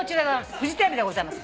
フジテレビでございます。